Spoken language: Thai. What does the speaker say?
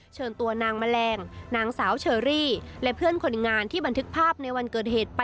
เชิญตัวนางแมลงนางสาวเชอรี่และเพื่อนคนงานที่บันทึกภาพในวันเกิดเหตุไป